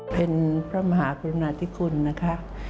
เป็นพระมหากรุณาธิคุณนะคะ